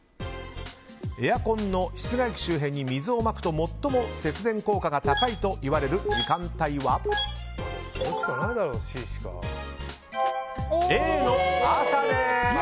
エアコンの室外機周辺に水をまくと最も節電効果が高いといわれる時間帯はＡの朝です。